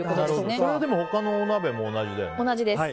これは他のお鍋も同じだよね。